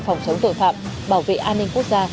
phòng chống tội phạm bảo vệ an ninh quốc gia